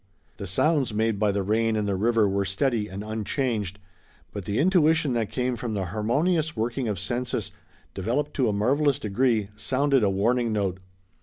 The sounds made by the rain and the river were steady and unchanged. But the intuition that came from the harmonious working of senses, developed to a marvelous degree, sounded a warning note.